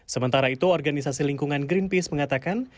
sementara itu organisasi lingkungan greenpeace mengatakan